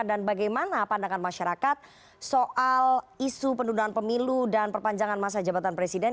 dan bagaimana pandangan masyarakat soal isu pendudukan pemilu dan perpanjangan masa jabatan presiden